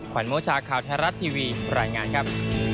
ขวัญโมชาคาวแทรศทีวีรายงานครับ